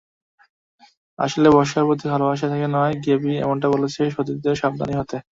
আসলে বার্সার প্রতি ভালোবাসা থেকে নয়, গ্যাবি এমনটা বলছেন সতীর্থদের সাবধানি হতে।